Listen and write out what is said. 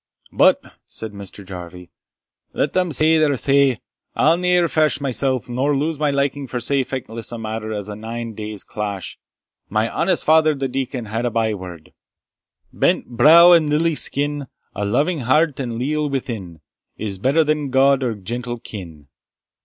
"But," said Mr. Jarvie, "let them say their say. I'll ne'er fash mysell, nor lose my liking for sae feckless a matter as a nine days' clash. My honest father the deacon had a byword, Brent brow and lily skin, A loving heart, and a leal within, Is better than gowd or gentle kin.